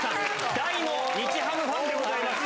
大の日ハムファンでございます。